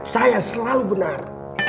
saya selalu benar